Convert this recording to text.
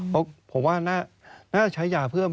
เพราะผมว่าน่าจะใช้ยาเพิ่ม